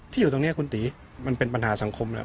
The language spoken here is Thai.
อยู่ตรงนี้คุณตีมันเป็นปัญหาสังคมแล้ว